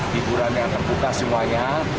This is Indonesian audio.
hiburan yang terbuka semuanya